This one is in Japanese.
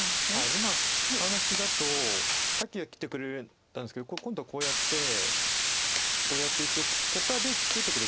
今ハネ出しだとさっきは切ってくれたんですけど今度はこうやってこうやって一応ここから出てくる可能性があって。